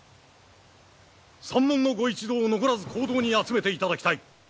山門のご一同を残らず講堂に集めていただきたい！